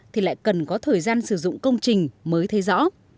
thì lại cần có thời gian sử dụng công trình mới thấy rõ